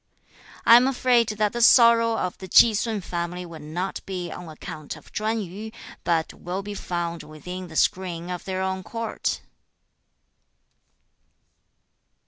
I am afraid that the sorrow of the Chi sun family will not be on account of Chwan yu, but will be found within the screen of their own court.'